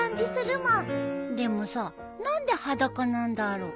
でもさ何で裸なんだろう。